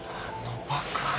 あのバカ。